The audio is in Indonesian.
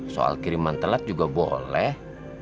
soal kiriman telat juga boleh